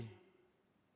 untuk tni angkatan udara